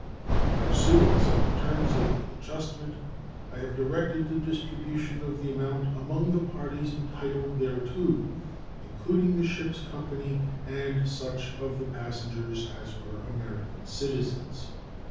In pursuance of the terms of the adjustment, I have directed the distribution of the amount among the parties entitled thereto, including the ship's company and such of the passengers as were American citizens.